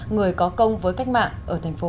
người có công với cách mạng ở tp huế